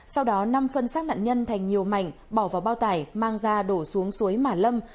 sau đó nam phân xác nạn nhân thành nhiều mảnh bỏ vào bao tải mang ra đổ xuống suối mà lâm